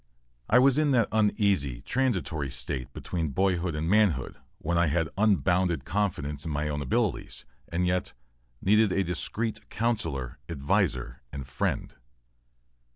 I was in that uneasy, transitory state between boyhood and manhood when I had unbounded confidence in my own abilities, and yet needed a discreet counsellor, adviser and friend.